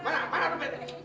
eh malu sih ini